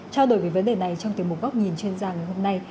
trao đổi về vấn đề này trong tiềm mục góc nhìn chuyên gia ngày hôm nay